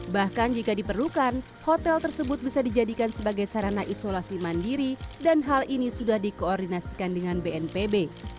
bahkan jika diperlukan hotel tersebut bisa dijadikan sebagai sarana isolasi mandiri dan hal ini sudah dikoordinasikan dengan bnpb